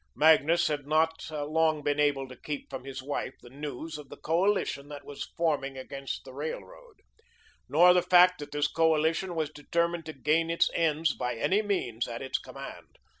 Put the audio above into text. Magnus had not long been able to keep from his wife the news of the coalition that was forming against the railroad, nor the fact that this coalition was determined to gain its ends by any means at its command.